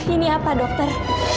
ini apa dokter